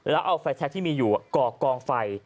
แล้วเอาไฟแชคที่มีอยู่ก่อกองไฟ